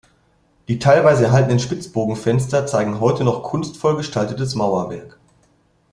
Die teilweise erhaltenen Spitzbogenfenster zeigen heute noch kunstvoll gestaltetes Mauerwerk.